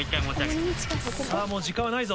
さぁもう時間はないぞ。